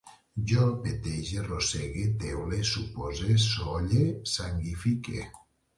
Jo petege, rosegue, teule, supose, solle, sanguifique